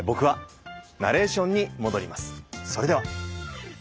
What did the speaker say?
それでは！